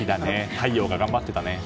太陽が頑張っていたね。